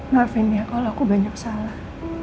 maafin ya kalau aku banyak salah